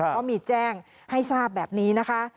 เพราะมีแจ้งให้ทราบแบบนี้นะคะ